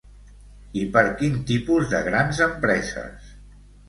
I per quin tipus de grans empreses?